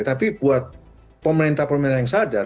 tapi buat pemerintah pemerintah yang sadar